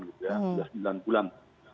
sudah sembilan bulan